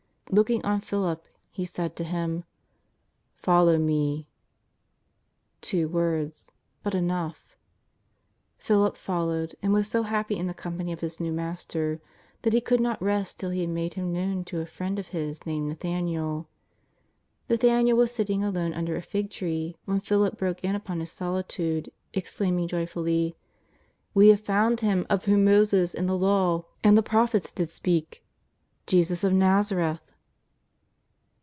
Looking on Philip He said to him: " Follow Me." Two words, but enough. Philip followed, and was so happy in the company of his new Master that he could not rest till he had made Him knowTi to a friend of his named l^athaniel. l^athaniel was sitting alone under a fig tree when Philip broke in upon his solitude exclaiming joyfully: " We have found Him of whom ]\foses in the Law and the prophets did speak, Jesus of IN'azareth."